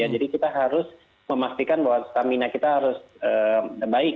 jadi kita harus memastikan bahwa stamina kita harus baik